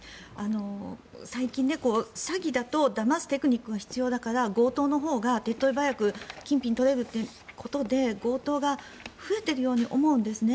最近、詐欺だとだますテクニックが必要だから強盗のほうが手っ取り早く金品を取れるということで強盗が増えているように思うんですね。